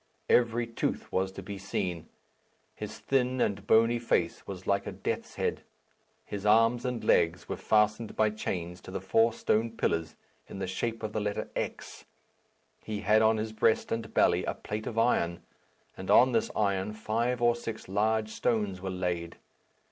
Every tooth was to be seen. His thin and bony face was like a death's head. His arms and legs were fastened by chains to the four stone pillars in the shape of the letter X. He had on his breast and belly a plate of iron, and on this iron five or six large stones were laid.